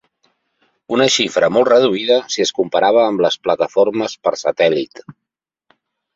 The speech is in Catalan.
Una xifra molt reduïda si es comparava amb les plataformes per satèl·lit.